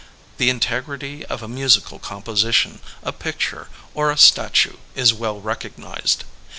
The in tegrity of a musical composition, a picture, or a statue is well recognized.